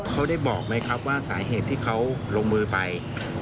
เขาได้บอกไหมครับว่าสาเหตุที่เขาลงมือไป